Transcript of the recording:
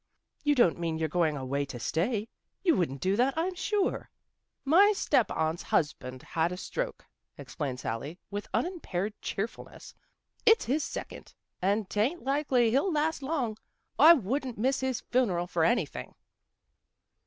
" You don't mean you're going away to stay? You wouldn't do that, I'm sure." " My step aunt's husband's had a stroke," explained Sally with unimpaired cheerfulness. " It's his second and 'tain't likely he'll last long. I wouldn't miss his fun'rel for anything."